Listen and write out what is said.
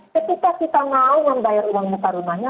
ketika kita mau membayar uang muka rumahnya